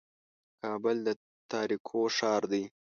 کابل د تاریکو ښار دی.